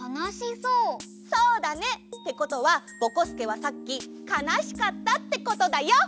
そうだね。ってことはぼこすけはさっきかなしかったってことだよ！